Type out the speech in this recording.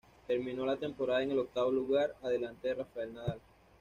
Terminó la temporada en el octavo lugar adelante de Rafael Nadal.